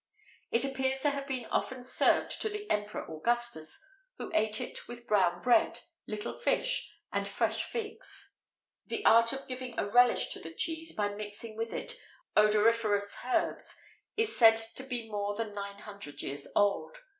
[XVIII 55] It appears to have been often served to the Emperor Augustus, who ate it with brown bread, little fish, and fresh figs.[XVIII 56] The art of giving a relish to the cheese, by mixing with it odoriferous herbs, is said to be more than nine hundred years old.